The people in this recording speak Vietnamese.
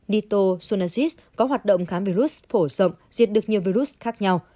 nitocyanid có hoạt động khám virus phổ rộng diệt được nhiều virus khác nhau